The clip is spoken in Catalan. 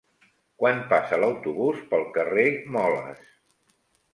Quan passa l'autobús pel carrer Moles?